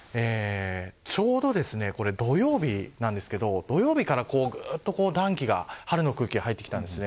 ちょうど土曜日なんですけれども土曜日からぐっと暖気が春の空気が入ってきたんです。